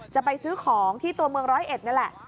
จะไปซื้อของที่ตัวเมืองร้อยเอ็ดนั่นแหละ